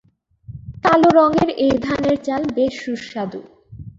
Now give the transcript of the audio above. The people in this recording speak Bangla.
কালো রংয়ের এই ধানের চাল বেশ সুস্বাদু।